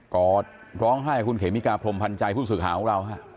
กอดร้องไห้กับคุณเขมิกาพรมพันธ์ใจผู้สื่อข่าวของเราฮะ